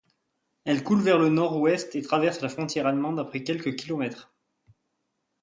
Elle coule vers le nord-ouest et traverse la frontière allemande après quelques kilomètres.